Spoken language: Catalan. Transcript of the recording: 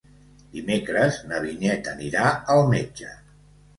Dimecres na Vinyet anirà al metge.